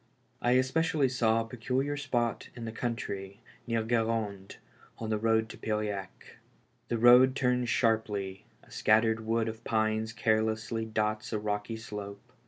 I especially saw a particular spot in the country near 244 ALIVE IN DEATH. Gu^rande, on the road to Piriac. The road turns sharply, a scattered wood of pines carelessly dots a rocky slope.